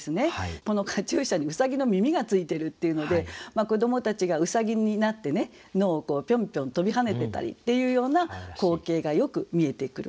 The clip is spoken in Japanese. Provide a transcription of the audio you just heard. このカチューシャにうさぎの耳がついてるっていうので子どもたちがうさぎになってね野をピョンピョン跳びはねてたりっていうような光景がよく見えてくる。